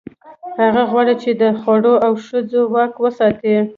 هغه غواړي، چې د خوړو او ښځو واک وساتي.